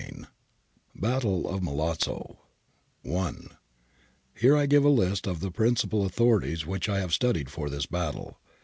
APPENDIX F BATTLE OF MILAZZO I I HERE give a list of the principal authorities which I have studied for this battle.